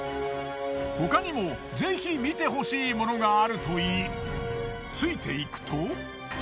他にもぜひ見てほしいものがあると言いついていくと。